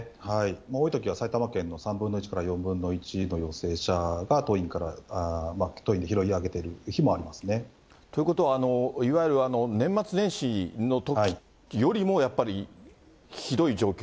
多いときは埼玉県の３分の１から４分の１の陽性者が当院で拾い上ということは、いわゆる年末年始のときよりもやっぱりひどい状況？